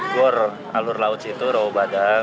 dari alur laut itu rauh badang